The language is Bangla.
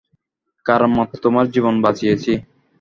কারণ মাত্র তোমার জীবন বাঁচিয়েছি।